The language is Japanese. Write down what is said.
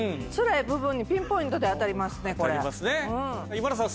今田さん